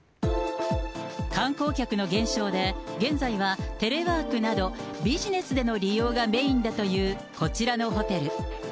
観光客の減少で、現在はテレワークなど、ビジネスでの利用がメインだというこちらのホテル。